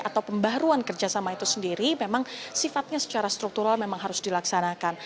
atau pembaruan kerjasama itu sendiri memang sifatnya secara struktural memang harus dilaksanakan